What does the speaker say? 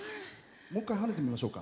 もう一回、跳ねてみましょうか。